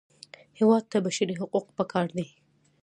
هېواد ته بشري حقوق پکار دي